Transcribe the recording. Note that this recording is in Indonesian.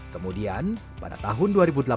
kemudian pada tahun dua ribu delapan belas